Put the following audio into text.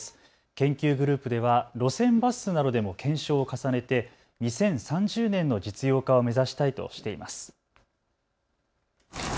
研究グループでは路線バスなどでも検証を重ねて２０３０年の実用化を目指したいとしています。